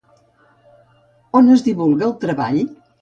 On es divulga el treball?